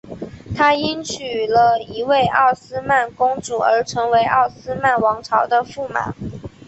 他因娶了一位奥斯曼公主而成为了奥斯曼王朝的驸马。